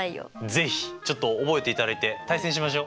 是非ちょっと覚えていただいて対戦しましょ。